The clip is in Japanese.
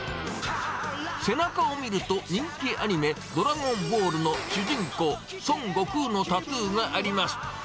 背中を見ると、人気アニメ、ドラゴンボールの主人公、孫悟空のタトゥーがあります。